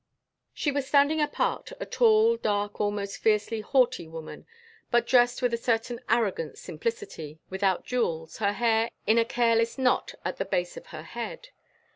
She was standing apart, a tall, dark, almost fiercely haughty woman, but dressed with a certain arrogant simplicity, without jewels, her hair in a careless knot at the base of her head.